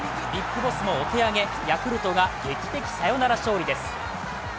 ＢＩＧＢＯＳＳもお手上げ、ヤクルトが劇的サヨナラ勝利です。